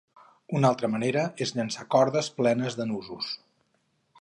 Una altra manera és llançar cordes plenes de nusos.